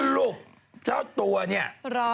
สรุปเจ้าตัวเนี่ย